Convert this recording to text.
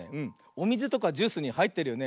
おみずとかジュースにはいってるよね。